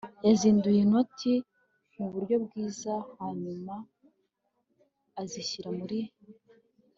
yazinduye inoti muburyo bwiza hanyuma azishyira muri